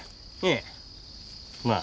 ええまあ。